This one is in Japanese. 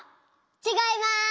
ちがいます。